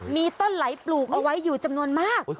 มีต้นไหลปลูกเอาไว้อยู่จำนวนมาก